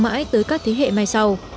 sáng mãi tới các thế hệ mai sau